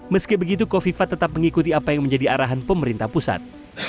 meski begitu kofifa tetap mengikuti apa yang menjadi arahan pemerintah pusat